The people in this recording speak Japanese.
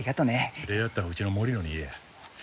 礼やったらうちの森野に言えや。